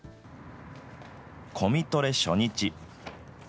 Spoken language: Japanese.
コミトレ初日。